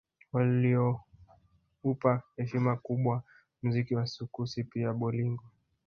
Walioupa heshima kubwa mziki wa sukusi pia bolingo